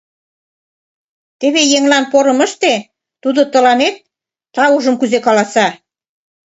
Теве еҥлан порым ыште, тудо тыланет таужым кузе каласа.